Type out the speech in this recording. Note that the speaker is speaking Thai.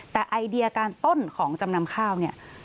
แต่ไอเดียการต้นของจำนำข้าวเนี่ย